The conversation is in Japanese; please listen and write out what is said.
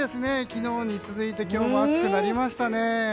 昨日に続いて今日も暑くなりましたね。